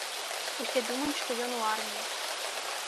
Усе думаюць, што ён у арміі.